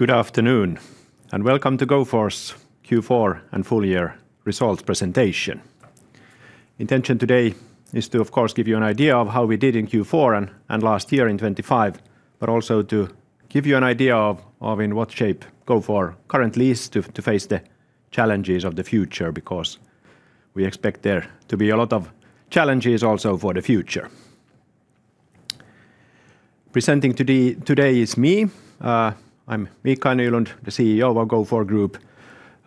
Good afternoon, welcome to Gofore's Q4 and full year results presentation. Intention today is to, of course, give you an idea of how we did in Q4 and last year in 2025, also to give you an idea of in what shape Gofore currently is to face the challenges of the future, because we expect there to be a lot of challenges also for the future. Presenting today is me. I'm Mikael Nylund, the CEO of Gofore Group,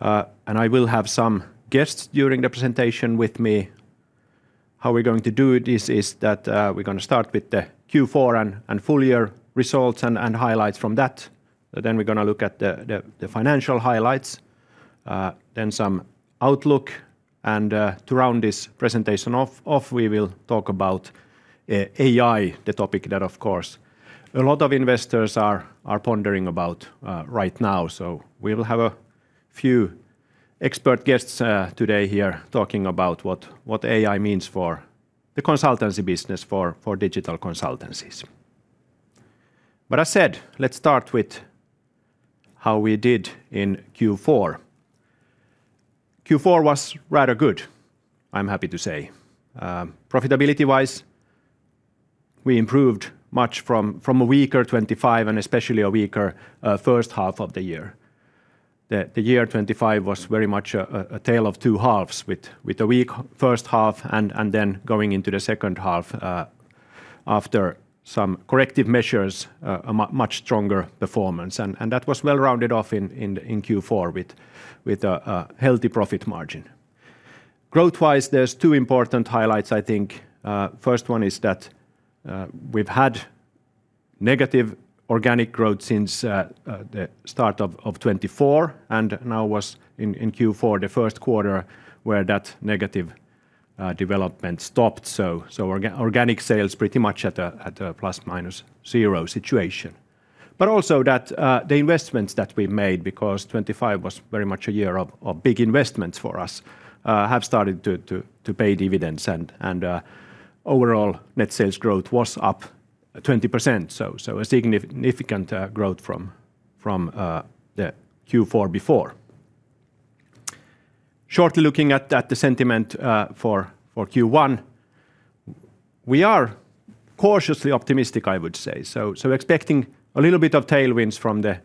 I will have some guests during the presentation with me. How we're going to do it is that we're gonna start with the Q4 and full year results and highlights from that. We're gonna look at the financial highlights, some outlook. To round this presentation off, we will talk about AI, the topic that, of course, a lot of investors are pondering about right now. We'll have a few expert guests today here talking about what AI means for the consultancy business for digital consultancies. I said, let's start with how we did in Q4. Q4 was rather good, I'm happy to say. Profitability-wise, we improved much from a weaker 2025, and especially a weaker first half of the year. The year 2025 was very much a tale of two halves, with a weak first half and then going into the second half after some corrective measures, a much stronger performance. That was well-rounded off in Q4 with a healthy profit margin. Growth-wise, there's two important highlights, I think. First one is that we've had negative organic growth since the start of 2024, and now was in Q4, the first quarter, where that negative development stopped. Organic sales pretty much at a plus, minus zero situation. Also that the investments that we made, because 2025 was very much a year of big investments for us, have started to pay dividends, and overall net sales growth was up 20%. A significant growth from the Q4 before. Shortly looking at the sentiment for Q1, we are cautiously optimistic, I would say. Expecting a little bit of tailwinds from the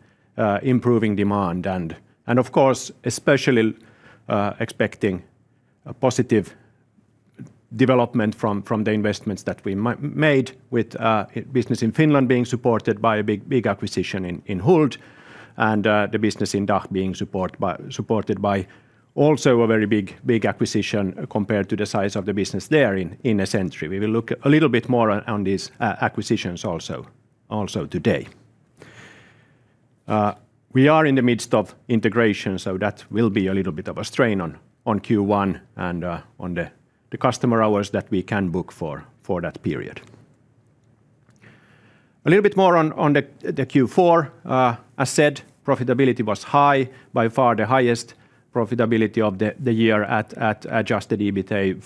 improving demand and, of course, especially, expecting a positive development from the investments that we made with business in Finland being supported by a big acquisition in Huld, and the business in DACH being supported by also a very big acquisition compared to the size of the business there in Esentri. We will look a little bit more on these acquisitions also today. We are in the midst of integration, that will be a little bit of a strain on Q1 and on the customer hours that we can book for that period. A little bit more on the Q4. As said, profitability was high, by far the highest profitability of the year at adjusted EBITA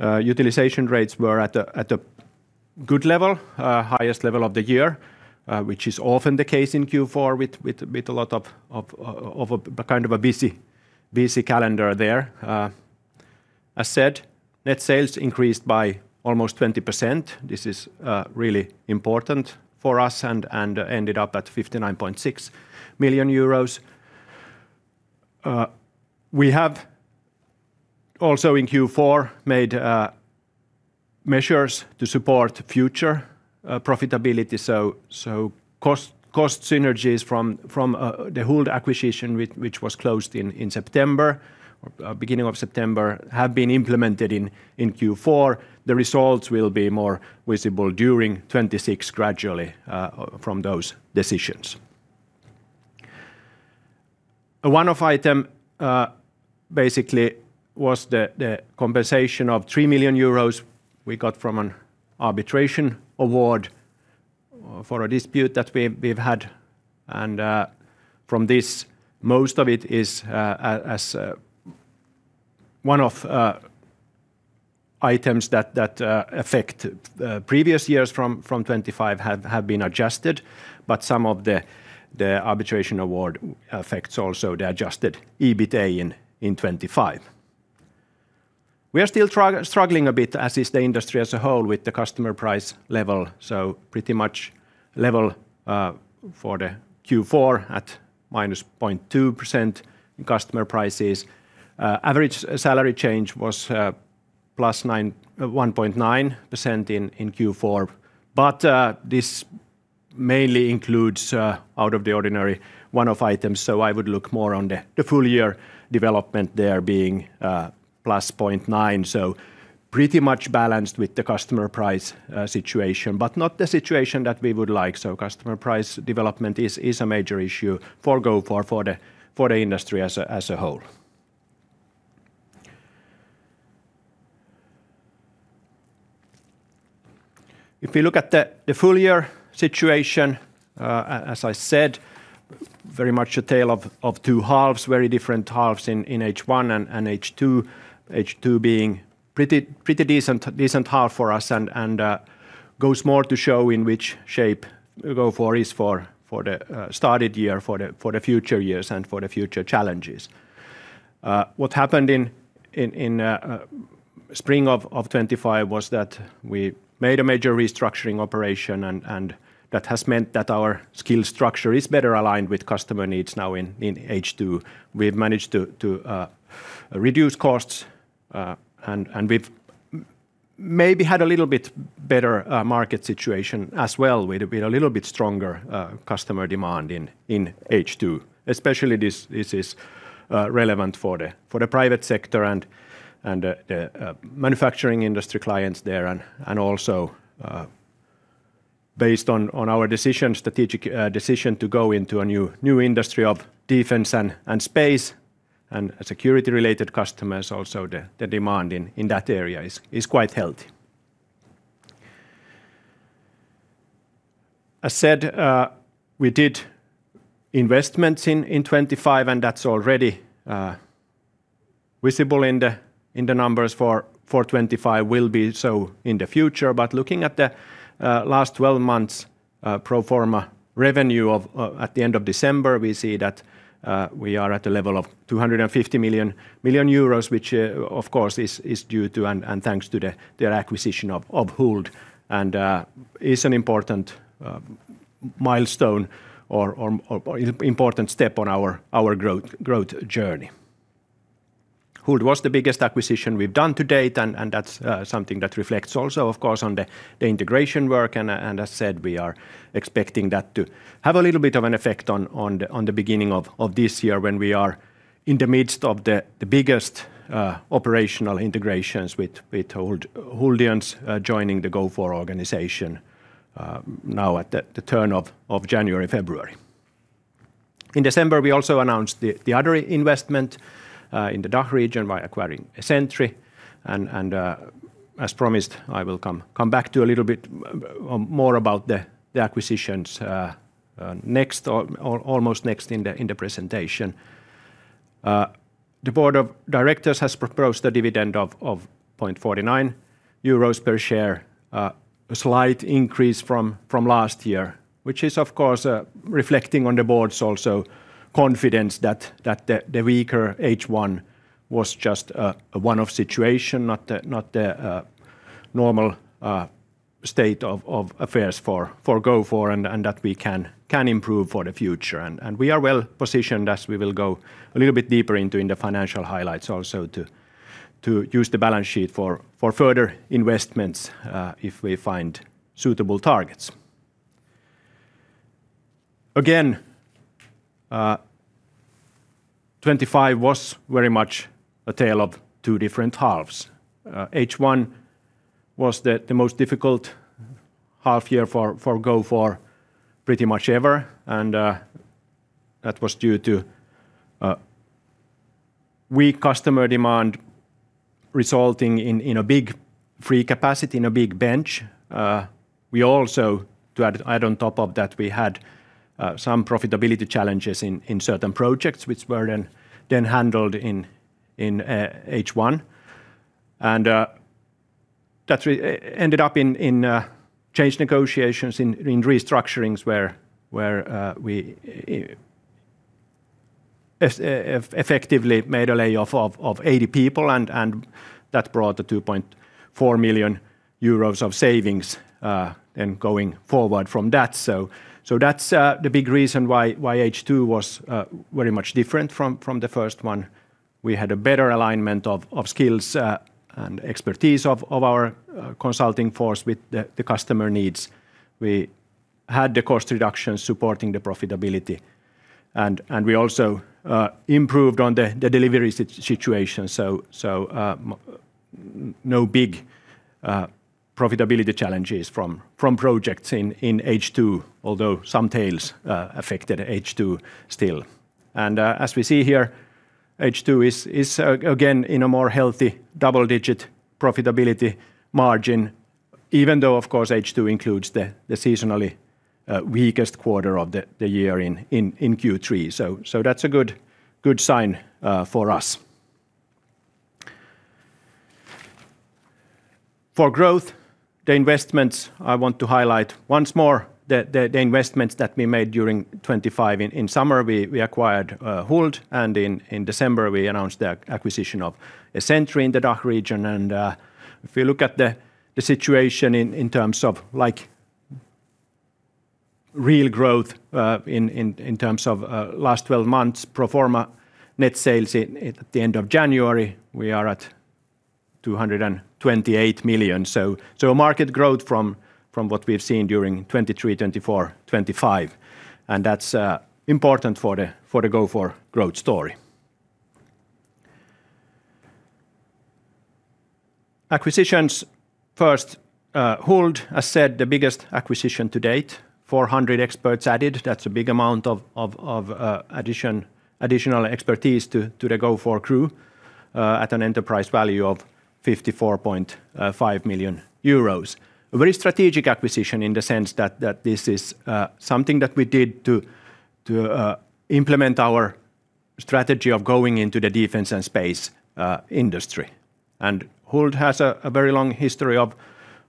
14%. Utilization rates were at a good level, highest level of the year, which is often the case in Q4, with a lot of a kind of a busy calendar there. As said, net sales increased by almost 20%. This is really important for us and ended up at 59.6 million euros. We have also in Q4 made measures to support future profitability, so cost synergies from the Huld acquisition, which was closed in September, beginning of September, have been implemented in Q4. The results will be more visible during 2026, gradually, from those decisions. A one-off item, basically was the compensation of 3 million euros we got from an arbitration award for a dispute that we've had. From this, most of it is as one of items that affect previous years from 2025 have been adjusted, but some of the arbitration award affects also the adjusted EBITA in 2025. We are still struggling a bit, as is the industry as a whole, with the customer price level, so pretty much level for the Q4 at -0.2% in customer prices. Average salary change was 1.9% in Q4, but this mainly includes out of the ordinary one-off items, so I would look more on the full year development there being +0.9%. So pretty much balanced with the customer price situation, but not the situation that we would like. Customer price development is a major issue for Gofore, for the industry as a whole. If you look at the full year situation, as I said, very much a tale of two halves, very different halves in H1 and H2. H2 being pretty decent half for us and goes more to show in which shape Gofore is for the started year, for the future years, and for the future challenges. What happened in spring of 2025 was that we made a major restructuring operation, and that has meant that our skill structure is better aligned with customer needs now in H2. We've managed to reduce costs, and we've maybe had a little bit better market situation as well, with a little bit stronger customer demand in H2. Especially this is relevant for the private sector and the manufacturing industry clients there, and also based on our decision, strategic decision to go into a new industry of Defence & Space, and security-related customers, also the demand in that area is quite healthy. As said, we did investments in 2025, and that's already visible in the numbers for 2025, will be so in the future. Looking at the last 12 months, pro forma revenue of, at the end of December, we see that we are at a level of 250 million euros, which of course is due to and thanks to the acquisition of Huld, and is an important milestone or important step on our growth journey. Huld was the biggest acquisition we've done to date, and that's something that reflects also, of course, on the integration work, and as said, we are expecting that to have a little bit of an effect on the beginning of this year, when we are in the midst of the biggest operational integrations with Huld. Huldians joining the Gofore organization now at the turn of January, February. In December, we also announced the other investment in the DACH region by acquiring Esentri. As promised, I will come back to a little bit more about the acquisitions next or almost next in the presentation. The board of directors has proposed a dividend of 0.49 euros per share, a slight increase from last year, which is, of course, reflecting on the board's also confidence that the weaker H1 was just a one-off situation, not the normal state of affairs for Gofore, and that we can improve for the future. We are well-positioned, as we will go a little bit deeper into in the financial highlights, also to use the balance sheet for further investments, if we find suitable targets. Again, 2025 was very much a tale of two different halves. H1 was the most difficult half year for Gofore pretty much ever, and that was due to weak customer demand resulting in a big free capacity, in a big bench. We also, to add on top of that, we had some profitability challenges in certain projects, which were then handled in H1. That's we ended up in change negotiations in restructurings where we effectively made a layoff of 80 people, and that brought 2.4 million euros of savings and going forward from that. That's the big reason why H2 was very much different from the first one. We had a better alignment of skills and expertise of our consulting force with the customer needs. We had the cost reduction supporting the profitability, and we also improved on the delivery situation, so no big profitability challenges from projects in H2, although some tails affected H2 still. As we see here, H2 is again in a more healthy, double-digit profitability margin, even though, of course, H2 includes the seasonally weakest quarter of the year in Q3. That's a good sign for us. For growth, the investments, I want to highlight once more the investments that we made during 2025. In summer, we acquired Huld, and in December, we announced the acquisition of Esentri in the DACH region. If you look at the situation in terms of real growth, in terms of last 12 months, pro forma net sales at the end of January, we are at 228 million. Market growth from what we've seen during 2023, 2024, 2025, and that's important for the Gofore growth story. Acquisitions first, Huld, as said, the biggest acquisition to date, 400 experts added. That's a big amount of additional expertise to the Gofore crew at an enterprise value of 54.5 million euros. A very strategic acquisition in the sense that this is something that we did to implement our strategy of going into the Defence & Space industry. Huld has a very long history of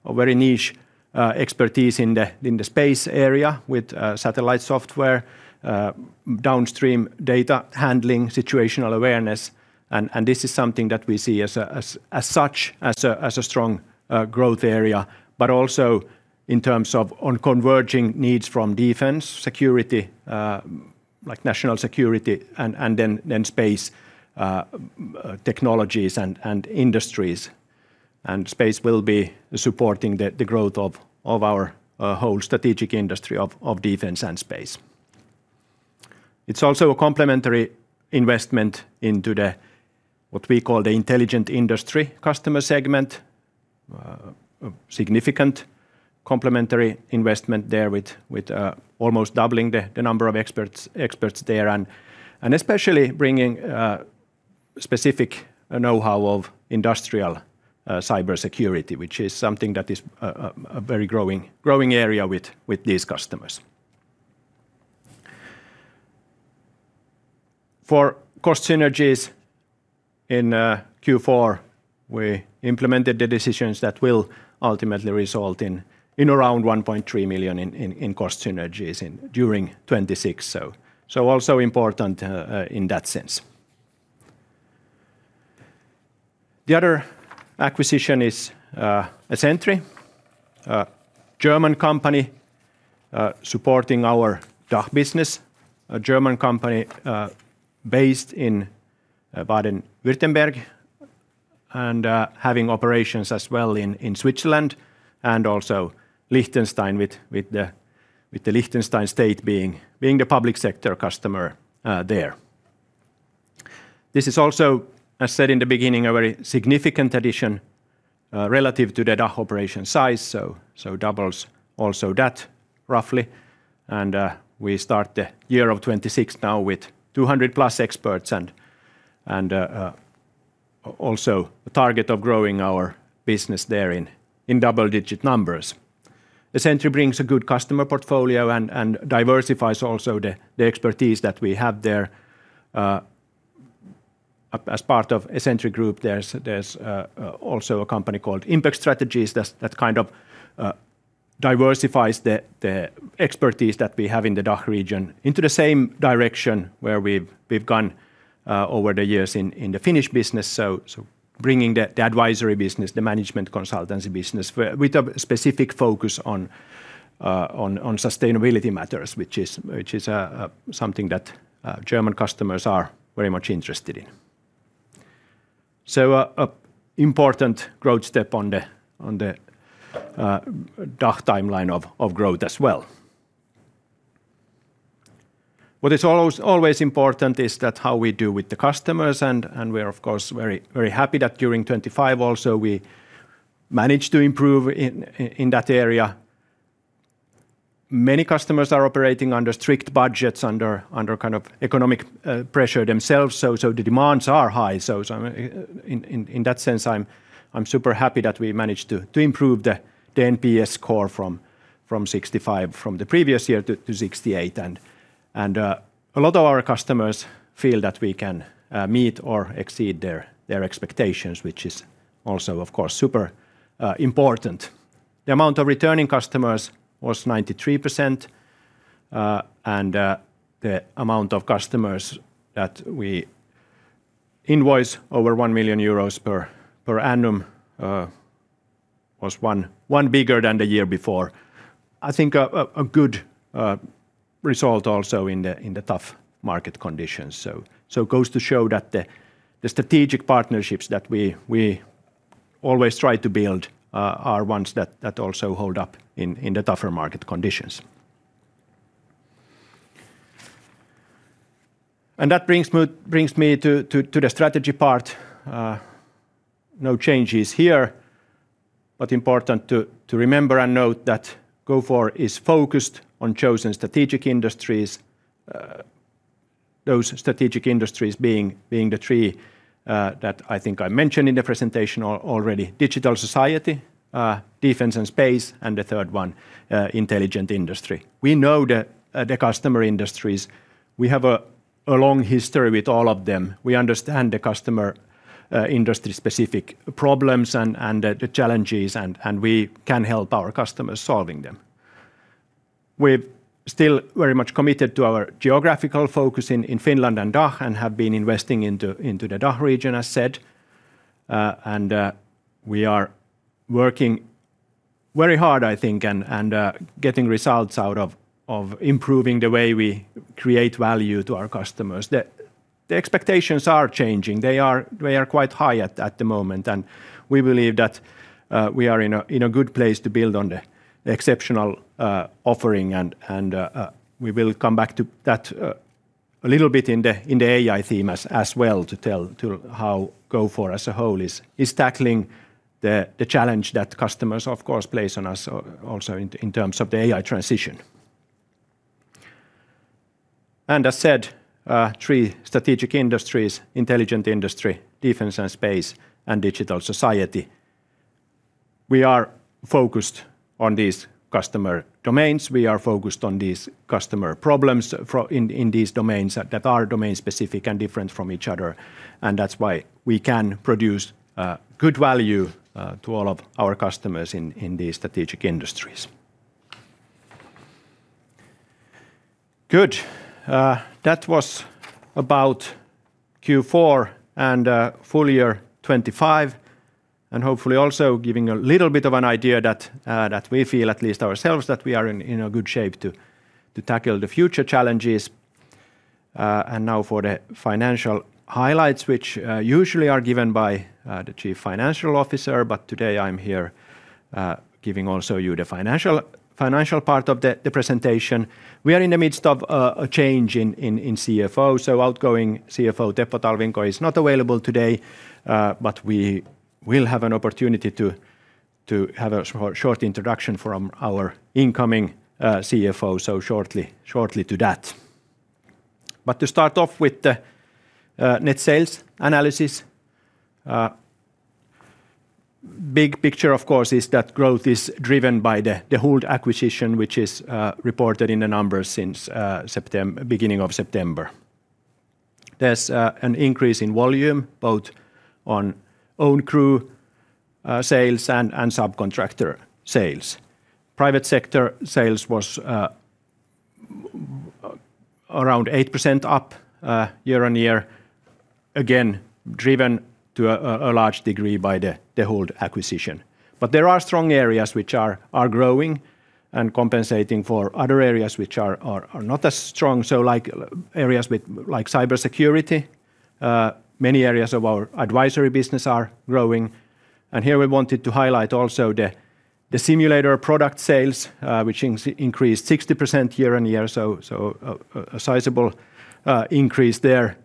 very niche expertise in the space area with satellite software, downstream data handling, situational awareness. This is something that we see as such, as a strong, growth area, but also in terms of on converging needs from defence, security, like national security, and then space, technologies and industries. Space will be supporting the growth of our whole strategic industry of Defence & Space. It's also a complementary investment into the, what we call the Intelligent Industry customer segment. A significant complementary investment there with almost doubling the number of experts there, and especially bringing specific know-how of industrial cybersecurity, which is something that is a very growing area with these customers. For cost synergies in Q4, we implemented the decisions that will ultimately result in around 1.3 million in cost synergies during 2026, also important in that sense. The other acquisition is Esentri, a German company, supporting our DACH business. A German company, based in Baden-Württemberg, and having operations as well in Switzerland, and also Liechtenstein with the Liechtenstein state being the public sector customer there. This is also, as said in the beginning, a very significant addition, relative to the DACH operation size, doubles also that roughly. We start the year of 2026 now with 200 plus experts and also a target of growing our business there in double-digit numbers. Esentri brings a good customer portfolio and diversifies also the expertise that we have there. As part of Esentri group, there's also a company called Impact Strategies that kind of diversifies the expertise that we have in the DACH region into the same direction where we've gone over the years in the Finnish business. Bringing the advisory business, the management consultancy business, with a specific focus on sustainability matters, which is something that German customers are very much interested in. An important growth step on the DACH timeline of growth as well. What is always important is that how we do with the customers, and we're, of course, very, very happy that during 2025 also, we managed to improve in that area. Many customers are operating under strict budgets, under kind of economic pressure themselves, so the demands are high. In that sense, I'm super happy that we managed to improve the NPS score from 65, from the previous year to 68. A lot of our customers feel that we can meet or exceed their expectations, which is also, of course, super important. The amount of returning customers was 93% and the amount of customers that we invoice over 1 million euros per annum was one bigger than the year before. I think a good result also in the tough market conditions. Goes to show that the strategic partnerships that we always try to build are ones that also hold up in the tougher market conditions. That brings me to the strategy part. No changes here, but important to remember and note that Gofore is focused on chosen strategic industries. Those strategic industries being the three that I think I mentioned in the presentation already: Digital Society, Defence & Space, and the third one, Intelligent Industry. We know the customer industries. We have a long history with all of them. We understand the customer industry-specific problems and the challenges, and we can help our customers solving them. We're still very much committed to our geographical focus in Finland and DACH, and have been investing into the DACH region, as said. We are working very hard, I think, and getting results out of improving the way we create value to our customers. The expectations are changing. They are quite high at the moment, we believe that we are in a good place to build on the exceptional offering, and we will come back to that a little bit in the AI theme as well to tell how Gofore as a whole is tackling the challenge that customers, of course, place on us also in terms of the AI transition. As said, three strategic industries: Intelligent Industry, Defence & Space, and Digital Society. We are focused on these customer domains. We are focused on these customer problems in these domains that are domain-specific and different from each other, and that's why we can produce good value to all of our customers in these strategic industries. Good. That was about Q4 and full year 2025, and hopefully also giving a little bit of an idea that we feel, at least ourselves, that we are in a good shape to tackle the future challenges. Now for the financial highlights, which usually are given by the chief financial officer, but today I'm here giving also you the financial part of the presentation. We are in the midst of a change in CFO. Outgoing CFO Teppo Talvinko is not available today, but we will have an opportunity to have a short introduction from our incoming CFO, shortly to that. To start off with the net sales analysis, big picture, of course, is that growth is driven by the Huld acquisition, which is reported in the numbers since beginning of September. There's an increase in volume, both on own crew sales and subcontractor sales. Private sector sales was around 8% up year-on-year, again, driven to a large degree by the Huld acquisition. There are strong areas which are growing and compensating for other areas which are not as strong, so like areas with like cybersecurity, many areas of our advisory business are growing. Here we wanted to highlight also the simulator product sales, which increased 60% year-over-year, so a sizable increase there.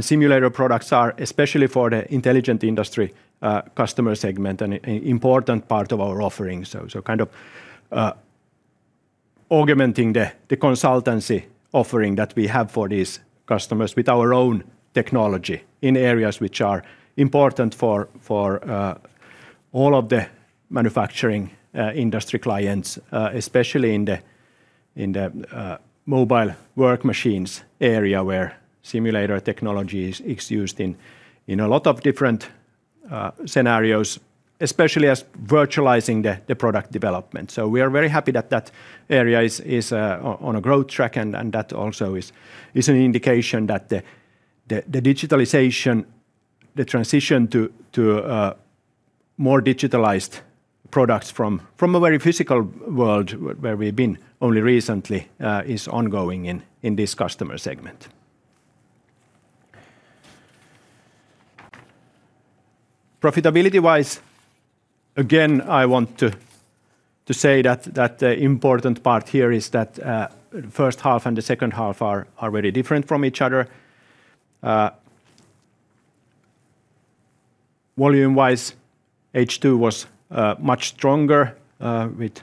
Simulator products are, especially for the Intelligent Industry customer segment, an important part of our offerings. Kind of, augmenting the consultancy offering that we have for these customers with our own technology in areas which are important for all of the manufacturing industry clients, especially in the mobile work machines area, where simulator technology is used in a lot of different scenarios, especially as virtualizing the product development. We are very happy that that area is on a growth track, and that also is an indication that the digitalization, the transition to more digitalized products from a very physical world, where we've been only recently, is ongoing in this customer segment. Profitability-wise, again, I want to say that the important part here is that first half and the second half are very different from each other. Volume-wise, H2 was much stronger, with,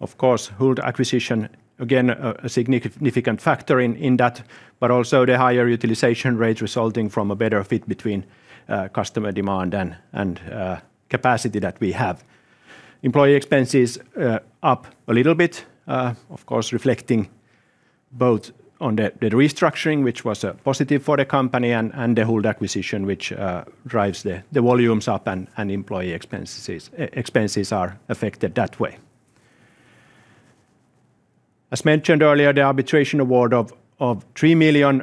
of course, Huld acquisition, again, a significant factor in that, but also the higher utilization rate resulting from a better fit between customer demand and capacity that we have. Employee expenses up a little bit, of course, reflecting both on the restructuring, which was a positive for the company, and the Huld acquisition, which drives the volumes up, and employee expenses are affected that way. As mentioned earlier, the arbitration award of 3 million,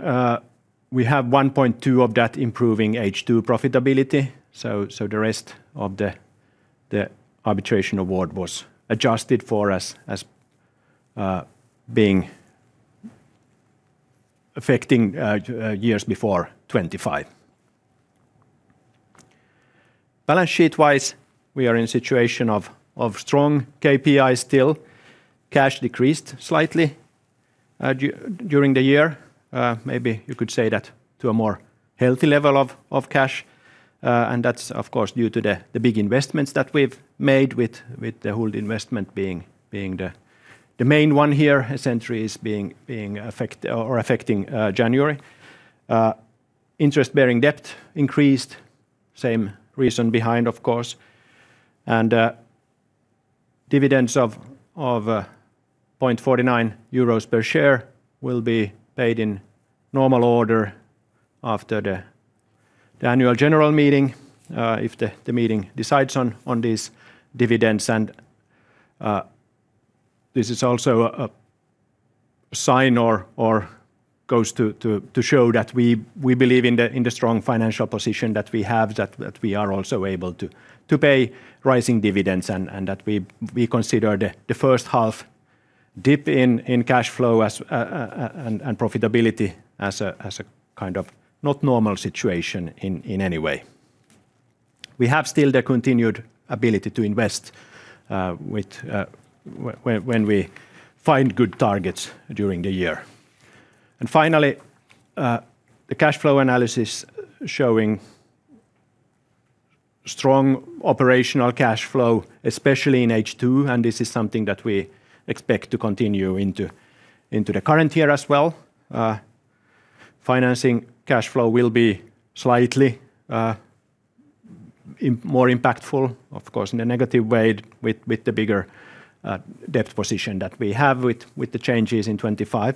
we have 1.2 million of that improving H2 profitability. The rest of the arbitration award was adjusted for as being affecting years before 2025. Balance sheet-wise, we are in a situation of strong KPIs still. Cash decreased slightly during the year. Maybe you could say that to a more healthy level of cash, that's of course, due to the big investments that we've made with the Huld investment being the main one here, Esentri being affecting January. Interest-bearing debt increased, same reason behind, of course. Dividends of 0.49 euros per share will be paid in normal order after the annual general meeting, if the meeting decides on these dividends. This is also a sign or goes to show that we believe in the strong financial position that we have, that we are also able to pay rising dividends and that we consider the first half dip in cash flow and profitability as a kind of not normal situation in any way. We have still the continued ability to invest, when we find good targets during the year. Finally, the cash flow analysis showing strong operational cash flow, especially in H2. This is something that we expect to continue into the current year as well. Financing cash flow will be slightly more impactful, of course, in a negative way with the bigger debt position that we have with the changes in 2025.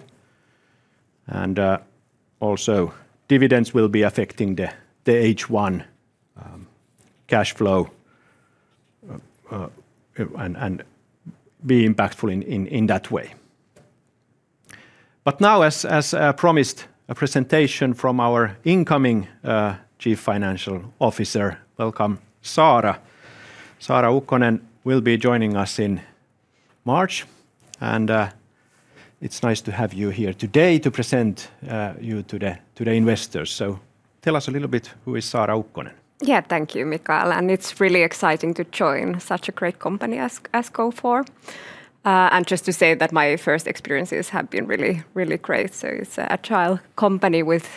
Also dividends will be affecting the H1 cash flow and be impactful in that way. Now as promised, a presentation from our incoming chief financial officer. Welcome, Saara. Saara Ukkonen will be joining us in March. It's nice to have you here today to present you to the investors. Tell us a little bit, who is Saara Ukkonen? Yeah. Thank you, Mikael, and it's really exciting to join such a great company as Gofore. Just to say that my first experiences have been really, really great, so it's an agile company with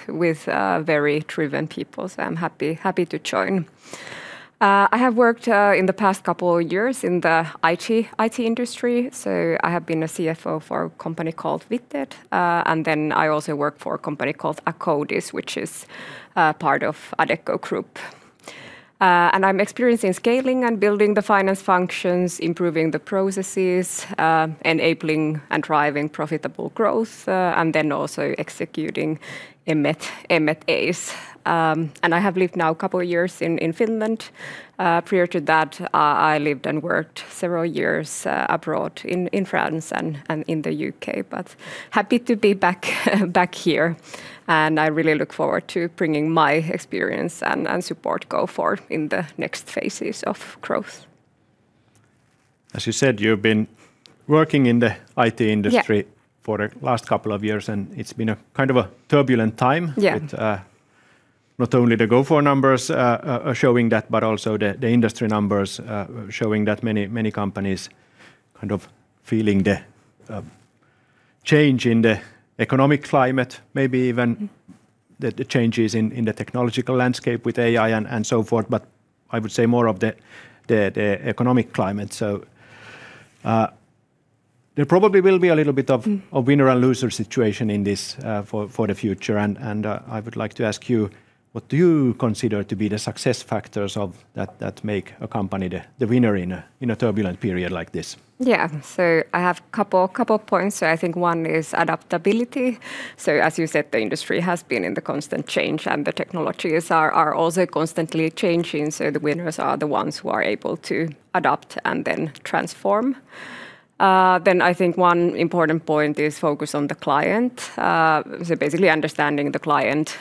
very driven people, so I'm happy to join. I have worked in the past couple of years in the IT industry, so I have been a CFO for a company called Witted. I also work for a company called Akkodis, which is part of Adecco Group. I'm experiencing scaling and building the finance functions, improving the processes, enabling and driving profitable growth, also executing M&As. I have lived now a couple of years in Finland. Prior to that, I lived and worked several years abroad in France and in the U.K. Happy to be back here, and I really look forward to bringing my experience and support Gofore in the next phases of growth. As you said, you've been working in the IT industry... Yeah For the last couple of years, and it's been a kind of a turbulent time. Yeah. With, not only the Gofore numbers, are showing that, but also the industry numbers, showing that many companies kind of feeling the change in the economic climate, maybe even the changes in the technological landscape with AI and so forth, but I would say more of the economic climate. There probably will be a little bit of winner and loser situation in this, for the future. I would like to ask you, what do you consider to be the success factors of that make a company the winner in a turbulent period like this? Yeah. I have couple of points. I think one is adaptability. As you said, the industry has been in the constant change, and the technologies are also constantly changing, the winners are the ones who are able to adapt and then transform. I think one important point is focus on the client. Basically understanding the client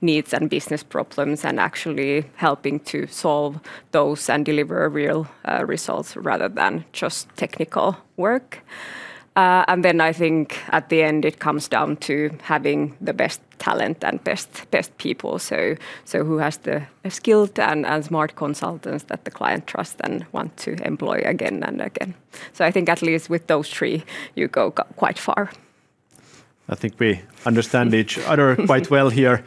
needs and business problems, and actually helping to solve those and deliver real results rather than just technical work. I think at the end, it comes down to having the best talent and best people. Who has the skilled and smart consultants that the client trusts and want to employ again and again? I think at least with those three, you go quite far. I think we understand each other quite well here.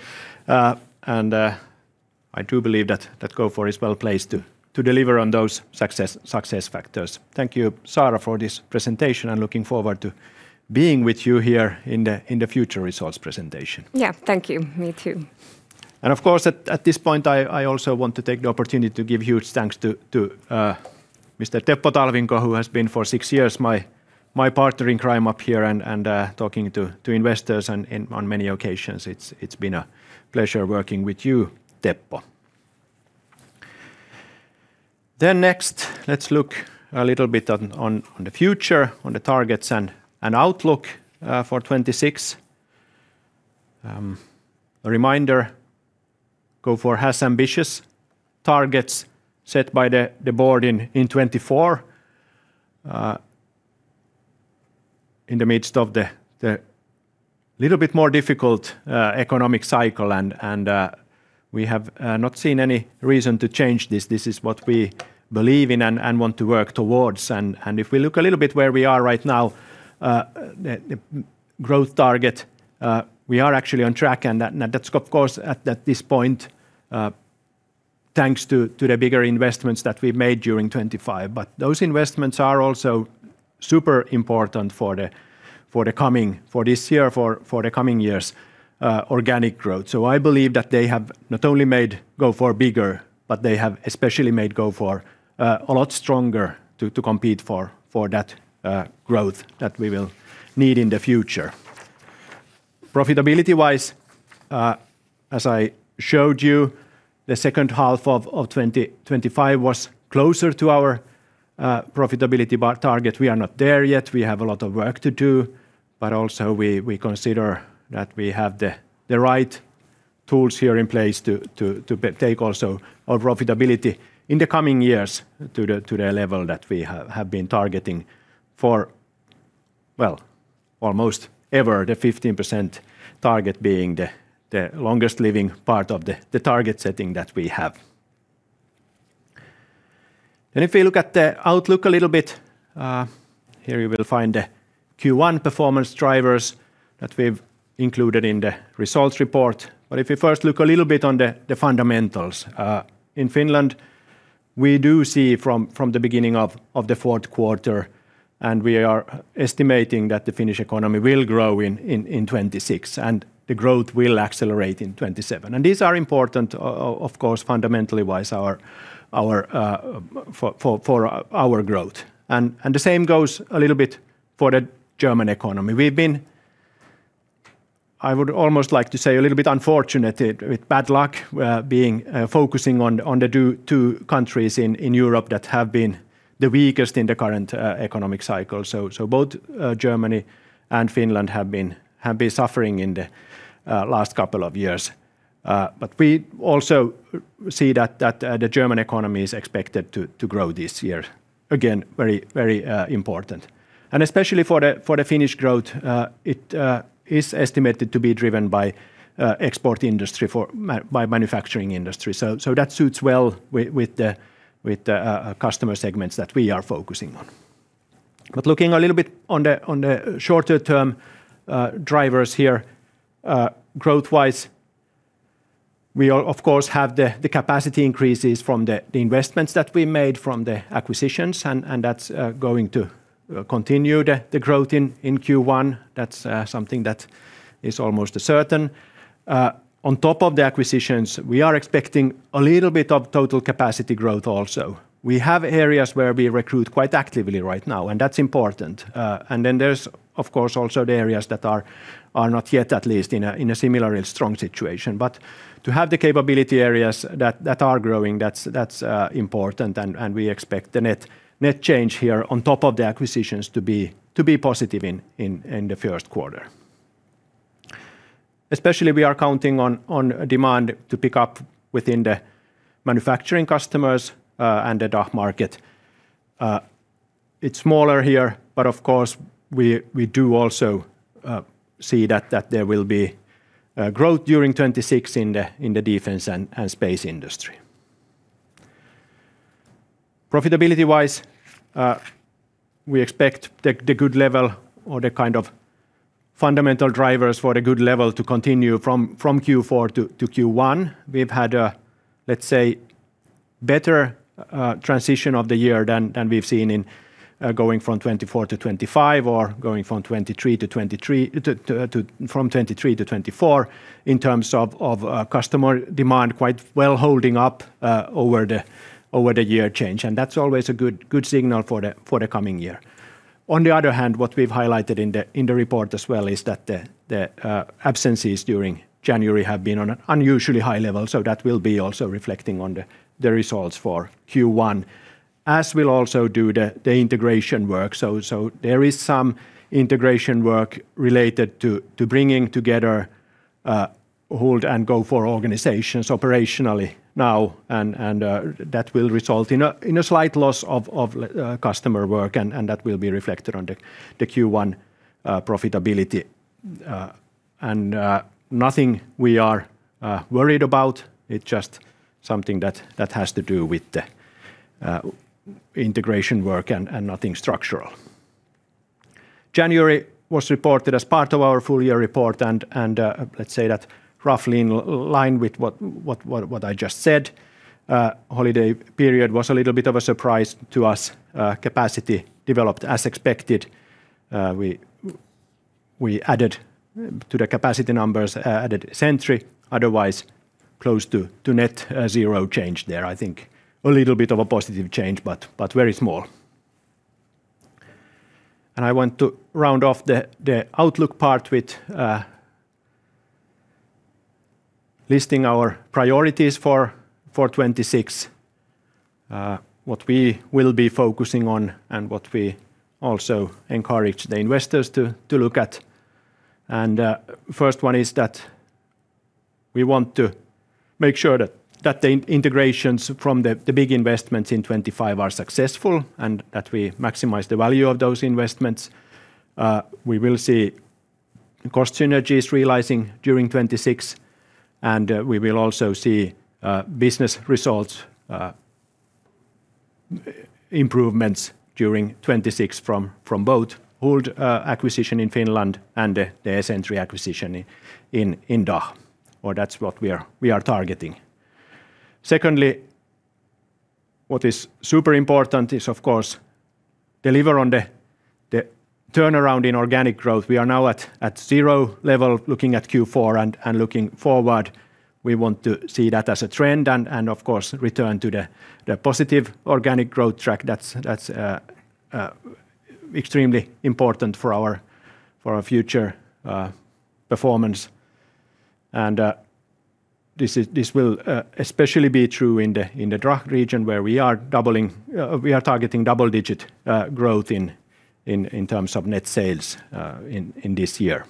I do believe that Gofore is well-placed to deliver on those success factors. Thank you, Saara, for this presentation, looking forward to being with you here in the future results presentation. Yeah. Thank you. Me too. Of course, at this point, I also want to take the opportunity to give huge thanks to Mr. Teppo Talvinko, who has been for 6 years my partner in crime up here and talking to investors on, in, on many occasions. It's been a pleasure working with you, Teppo. Next, let's look a little bit on the future, on the targets and outlook for 2026. A reminder, Gofore has ambitious targets set by the board in 2024. In the midst of the little bit more difficult economic cycle, and we have not seen any reason to change this. This is what we believe in and want to work towards. If we look a little bit where we are right now, the growth target, we are actually on track, and that's, of course, at this point, thanks to the bigger investments that we've made during 2025. Those investments are also super important for this year, for the coming years' organic growth. I believe that they have not only made Gofore bigger, but they have especially made Gofore a lot stronger to compete for that growth that we will need in the future. Profitability-wise, as I showed you, the second half of 2025 was closer to our profitability bar target. We are not there yet. We have a lot of work to do, but also we consider that we have the right tools here in place to take also our profitability in the coming years to the level that we have been targeting for, well, almost ever, the 15% target being the longest living part of the target setting that we have. If we look at the outlook a little bit, here you will find the Q1 performance drivers that we've included in the results report. If you first look a little bit on the fundamentals, in Finland, we do see from the beginning of the fourth quarter, and we are estimating that the Finnish economy will grow in 2026, and the growth will accelerate in 2027. These are important, of course, fundamentally wise, our, for our growth. The same goes a little bit for the German economy. We've been, I would almost like to say, a little bit unfortunate with bad luck, being focusing on the two countries in Europe that have been the weakest in the current economic cycle. Both Germany and Finland have been suffering in the last couple of years. We also see that the German economy is expected to grow this year. Again, very important, especially for the Finnish growth, it is estimated to be driven by export industry by manufacturing industry. That suits well with the customer segments that we are focusing on. Looking a little bit on the shorter term drivers here, growth-wise, we of course, have the capacity increases from the investments that we made from the acquisitions, and that's going to continue the growth in Q1. That's something that is almost a certain. On top of the acquisitions, we are expecting a little bit of total capacity growth also. We have areas where we recruit quite actively right now, and that's important. Then there's, of course, also the areas that are not yet, at least in a similarly strong situation. To have the capability areas that are growing, that's important, and we expect the net change here on top of the acquisitions to be positive in the first quarter. Especially, we are counting on demand to pick up within the manufacturing customers and the DACH market. It's smaller here, but of course, we do also see that there will be growth during 2026 in the Defence & Space industry. Profitability-wise, we expect the good level or the kind of fundamental drivers for the good level to continue from Q4 to Q1. We've had a, let's say, better transition of the year than we've seen in going from 2024 to 2025, or going from 2023 to 2024, in terms of customer demand, quite well holding up over the year change, and that's always a good signal for the coming year. On the other hand, what we've highlighted in the report as well, is that the absences during January have been on an unusually high level, that will be also reflecting on the results for Q1, as we'll also do the integration work. There is some integration work related to bringing together Huld and Gofore organizations operationally now, and that will result in a slight loss of customer work, and that will be reflected on the Q1 profitability. Nothing we are worried about. It's just something that has to do with the integration work and nothing structural. January was reported as part of our full year report, and let's say that roughly in line with what I just said, holiday period was a little bit of a surprise to us. Capacity developed as expected. We added to the capacity numbers, added Esentri, otherwise close to net zero change there, I think. A little bit of a positive change, but very small. I want to round off the outlook part with listing our priorities for 2026, what we will be focusing on and what we also encourage the investors to look at. First one is that we want to make sure that the integrations from the big investments in 2025 are successful and that we maximize the value of those investments. We will see cost synergies realizing during 2026, and we will also see business results improvements during 2026 from both Huld acquisition in Finland and the Esentri acquisition in DACH, or that's what we are targeting. Secondly, what is super important is, of course, deliver on the turnaround in organic growth. We are now at zero level, looking at Q4 and looking forward. We want to see that as a trend and of course, return to the positive organic growth track. That's extremely important for our future performance. This will especially be true in the DACH region, where we are doubling, we are targeting double-digit growth in terms of net sales in this year.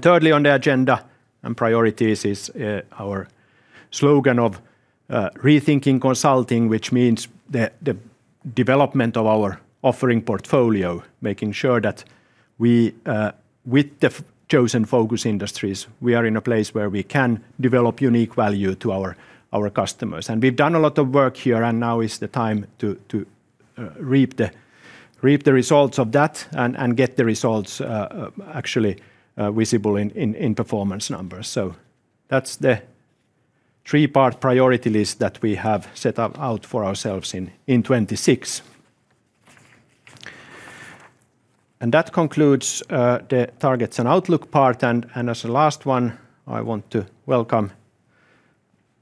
Thirdly, on the agenda and priorities is our slogan of rethinking consulting, which means the development of our offering portfolio, making sure that we with the chosen focus industries, we are in a place where we can develop unique value to our customers. We've done a lot of work here, and now is the time to reap the results of that and get the results actually visible in performance numbers. That's the three-part priority list that we have set up out for ourselves in 2026. That concludes the targets and outlook part. As a last one, I want to welcome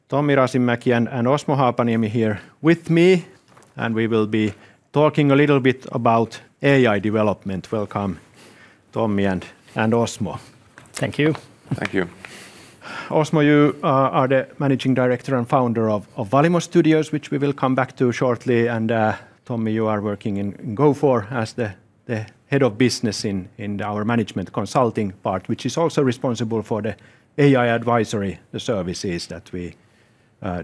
Tommi Rasinmäki and Osmo Haapaniemi here with me, and we will be talking a little bit about AI development. Welcome, Tommi and Osmo. Thank you. Thank you. Osmo, you are the managing director and founder of Valimo Studios, which we will come back to shortly. Tommi, you are working in Gofore as the head of business in our management consulting part, which is also responsible for the AI advisory services that we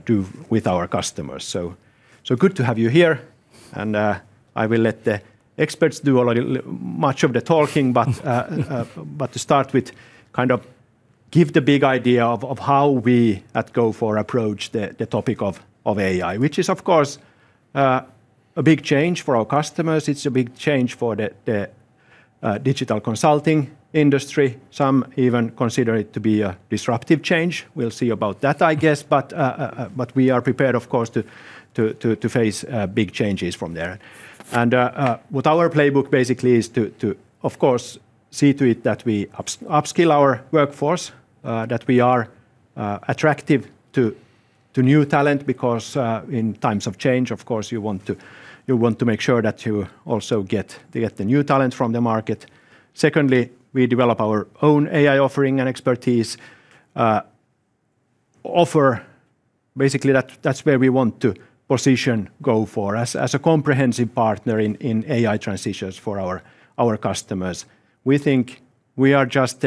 do with our customers. So good to have you here, and I will let the experts do much of the talking. But to start with, kind of give the big idea of how we at Gofore approach the topic of AI, which is, of course, a big change for our customers. It's a big change for the digital consulting industry. Some even consider it to be a disruptive change. We'll see about that, I guess. We are prepared, of course, to face big changes from there. What our playbook basically is to, of course, see to it that we upskill our workforce, that we are attractive to new talent, because in times of change, of course, you want to make sure that you also get the new talent from the market. Secondly, we develop our own AI offering and expertise. Basically, that's where we want to position Gofore as a comprehensive partner in AI transitions for our customers. We think we have just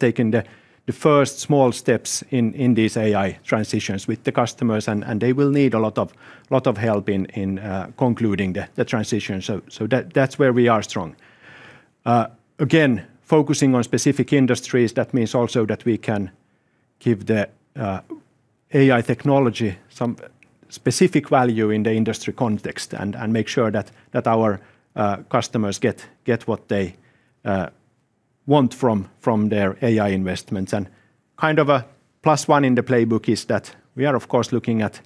taken the first small steps in these AI transitions with the customers, and they will need a lot of help in concluding the transition. That's where we are strong. Again, focusing on specific industries, that means also that we can give the AI technology some specific value in the industry context and make sure that our customers get what they want from their AI investments. Kind of a plus one in the playbook is that we are, of course, looking at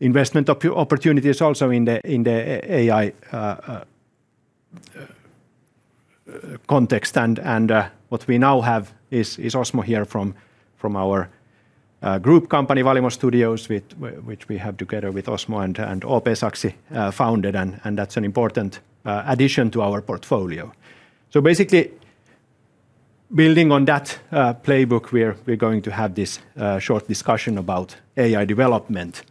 investment opportunities also in the AI context. What we now have is Osmo here from our group company, Valimo Studios, which we have together with Osmo and Ope Saksi founded, and that's an important addition to our portfolio. Basically, building on that playbook, we're going to have this short discussion about AI development.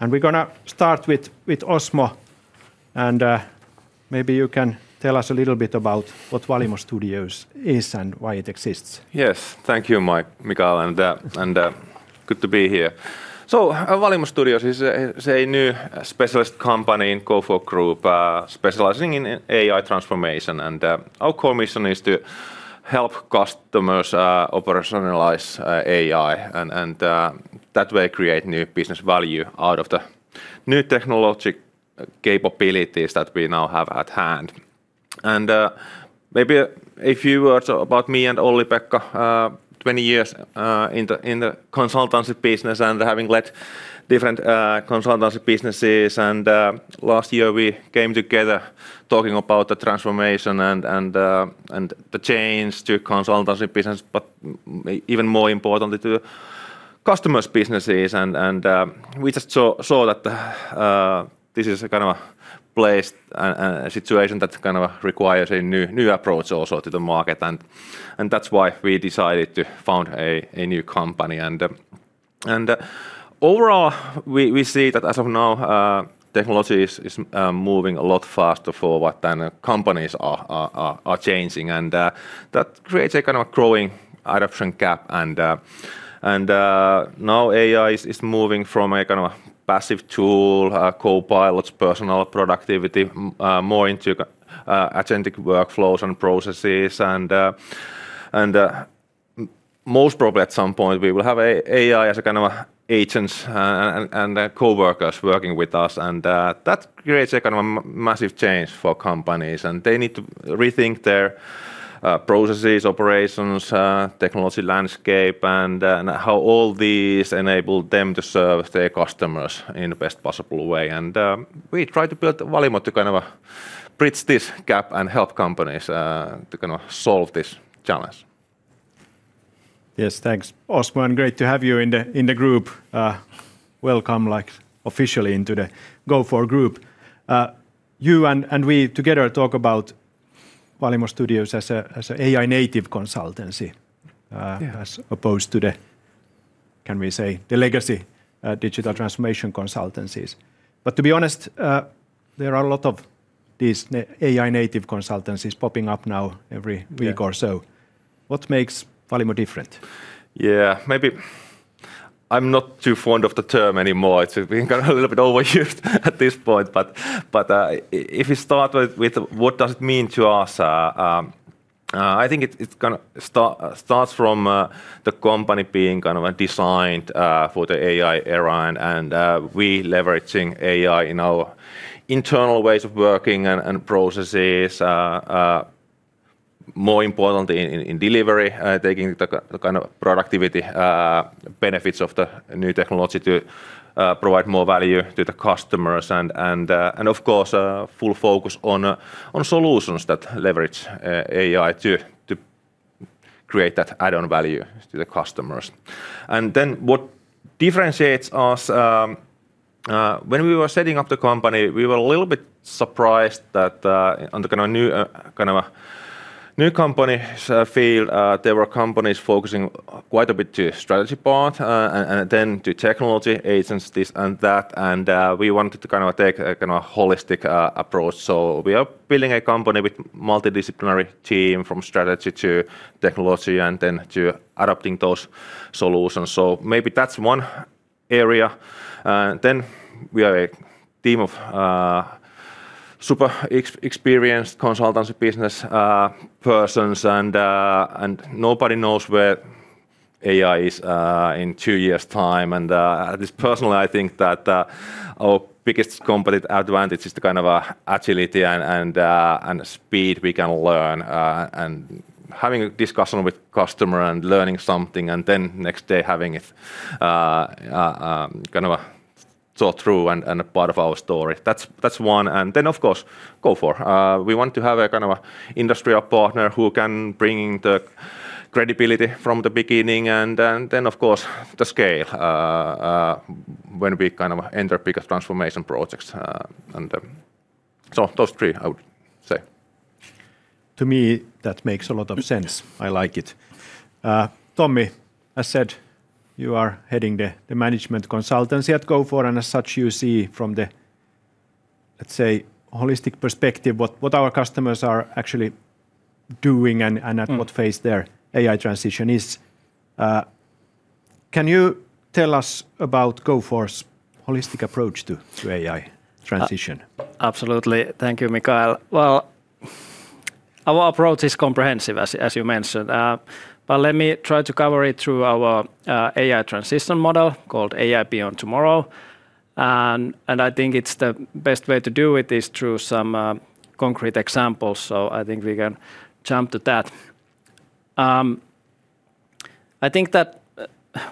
We're gonna start with Osmo, and maybe you can tell us a little bit about what Valimo Studios is and why it exists. Thank you, Mike, Mikael, good to be here. Valimo Studios is a new specialist company in Gofore Group, specializing in AI transformation. Our core mission is to help customers operationalize AI, and that way create new business value out of the new technology capabilities that we now have at hand. Maybe a few words about me and Olli-Pekka. 20 years in the consultancy business and having led different consultancy businesses. Last year, we came together talking about the transformation and the change to consultancy business, but even more importantly, to customers' businesses. We just saw that this is a kind of a place and a situation that kind of requires a new approach also to the market. That's why we decided to found a new company. Overall, we see that as of now, technology is moving a lot faster forward than companies are changing. That creates a kind of growing adoption gap. Now AI is moving from a kind of a passive tool, Copilot's personal productivity, more into agentic workflows and processes. Most probably at some point, we will have AI as a kind of agents and coworkers working with us. That creates a kind of a massive change for companies, and they need to rethink their processes, operations, technology landscape, how all these enable them to serve their customers in the best possible way. We try to build Valimo to kind of bridge this gap and help companies to kind of solve this challenge. Yes, thanks, Osmo, and great to have you in the group. Welcome, like, officially into the Gofore Group. You and we together talk about Valimo Studios as a AI native consultancy as opposed to the, can we say, the legacy, digital transformation consultancies. To be honest, there are a lot of these AI native consultancies popping up now every week or so. Yeah. What makes Valimo different? Yeah. Maybe I'm not too fond of the term anymore. It's been kind of a little bit overused at this point. If we start with what does it mean to us, I think it starts from the company being kind of designed for the AI era, and we leveraging AI in our internal ways of working and processes. More importantly, in delivery, taking the kind of productivity benefits of the new technology to provide more value to the customers. Of course, a full focus on solutions that leverage AI to create that add-on value to the customers. What differentiates us, when we were setting up the company, we were a little bit surprised that on the kind of new company's field, there were companies focusing quite a bit to strategy part, and then to technology agencies and that, and we wanted to take a holistic approach. We are building a company with multidisciplinary team, from strategy to technology, and then to adapting those solutions. Maybe that's one area. We are a team of super experienced consultancy business persons, and nobody knows where AI is in 2 years' time. At least personally, I think that our biggest competitive advantage is the kind of agility and speed we can learn. Having a discussion with customer and learning something, and then next day having it, kind of thought through and a part of our story. That's one. Of course, Gofore. We want to have a kind of industrial partner who can bring the credibility from the beginning, and then, of course, the scale, when we kind of enter bigger transformation projects. Those three, I would say. To me, that makes a lot of sense. I like it. Tommi, as said, you are heading the management consultancy at Gofore, and as such, you see from the, let's say, holistic perspective, what our customers are actually doing what phase their AI transition is. Can you tell us about Gofore's holistic approach to AI transition? Absolutely. Thank you, Mikael. Well, our approach is comprehensive, as you, as you mentioned. Let me try to cover it through our AI transition model called AI Beyond Tomorrow. I think it's the best way to do it is through some concrete examples, so I think we can jump to that. I think that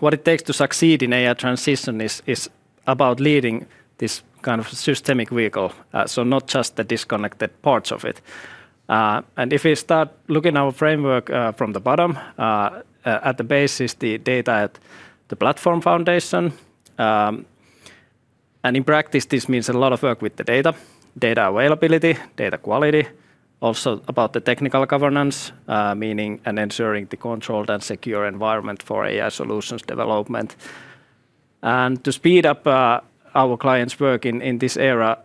what it takes to succeed in AI transition is about leading this kind of systemic vehicle, so not just the disconnected parts of it. If we start looking at our framework, from the bottom, at the base is the data at the platform foundation. In practice, this means a lot of work with the data: data availability, data quality. Also about the technical governance, meaning and ensuring the controlled and secure environment for AI solutions development. To speed up our clients' work in this area,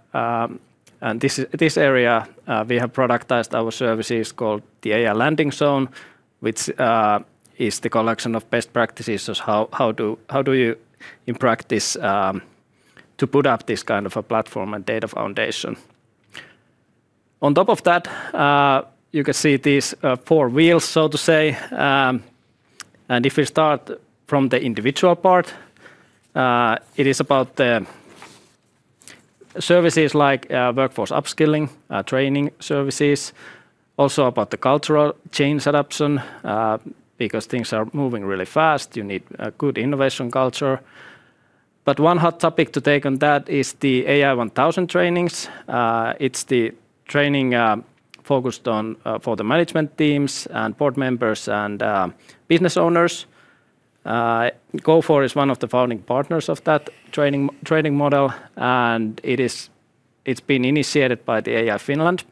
and this area, we have productized our services, called the AI Landing Zone, which is the collection of best practices. How do you, in practice, to put up this kind of a platform and data foundation? On top of that, you can see these four wheels, so to say. If we start from the individual part, it is about the services like workforce upskilling, training services. Also about the cultural change adoption, because things are moving really fast, you need a good innovation culture. One hot topic to take on that is the AI 1,000 trainings. It's the training focused on for the management teams and board members and business owners. Gofore is one of the founding partners of that training model, and it's been initiated by the AI Finland.